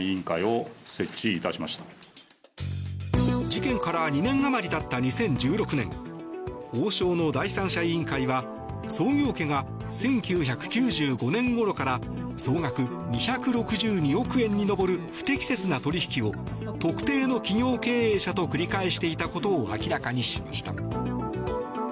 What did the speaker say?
事件から２年あまりたった２０１６年王将の第三者委員会は創業家が１９９５年ごろから総額２６２億円に上る不適切な取引を特定の企業経営者と繰り返していたことを明らかにしました。